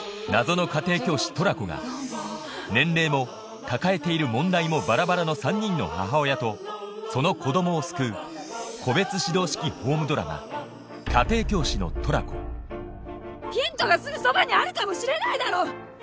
が年齢も抱えている問題もバラバラの３人の母親とその子供を救う個別指導式ホームドラマヒントがすぐそばにあるかもしれないだろ！